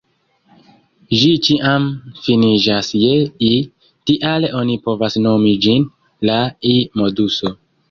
Ĝi ĉiam finiĝas je -i, tial oni povas nomi ĝin „la i-moduso.